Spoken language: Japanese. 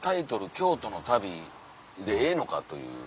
京都の旅でええのかという。